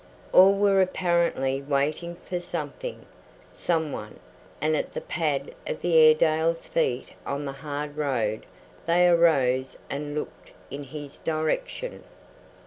All were apparently waiting for something, someone, and at the pad of the Airedale's feet on the hard road they arose and looked in his direction.